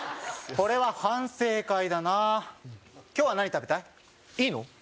これは反省会だな今日は何食べたい？いいの？